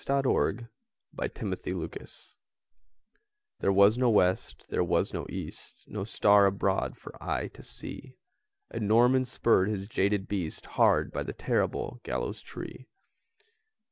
Y Z The Demon of the Gibbet THERE was no west, there was no east, No star abroad for eye to see; And Norman spurred his jaded beast Hard by the terrible gallows tree.